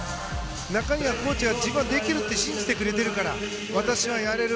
中庭コーチは自分はできると信じてくれているから私はやれる。